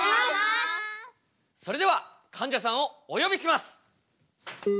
それではかんじゃさんをお呼びします。